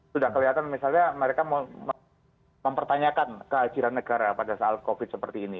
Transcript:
sudah kelihatan misalnya mereka mempertanyakan kehadiran negara pada saat covid seperti ini